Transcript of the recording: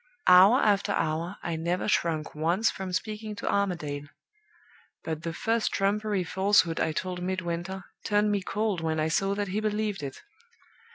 Hour after hour I never shrunk once from speaking to Armadale; but the first trumpery falsehood I told Midwinter turned me cold when I saw that he believed it!